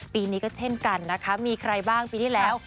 ปีนี้เฉ่นกันมีใครบ้างปีที่แล้ว